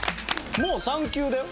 もう３級だよ。